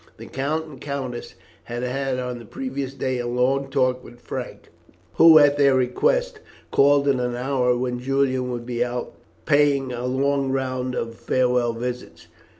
The count and countess had had on the previous day a long talk with Frank, who at their request called at an hour when Julian would be out paying a long round of farewell visits.